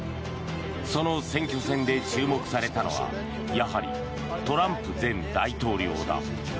その選挙戦で注目されたのはやはりトランプ前大統領だ。